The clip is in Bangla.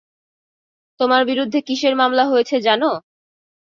তোমার বিরুদ্ধে কিসের মামলা হয়েছে জানো?